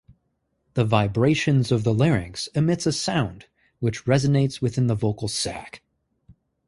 The vibrations of the larynx emits a sound, which resonates within the vocal sac.